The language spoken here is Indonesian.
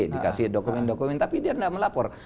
dikasih dokumen dokumen tapi dia tidak melapor